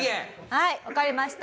はいわかりました。